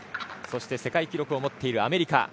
そして世界記録を持っているアメリカ。